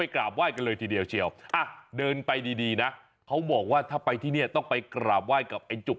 เขาบอกว่าถ้าไปที่นี่ต้องไปกราบไหว้กับจุก